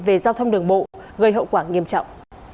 về giao thông đường bộ gây hậu quả nghiêm trọng